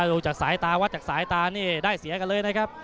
ดูจากสายตาวัดจากสายตานี่ได้เสียกันเลยนะครับ